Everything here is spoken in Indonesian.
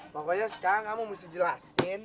pokoknya sekarang kamu mesti jelasin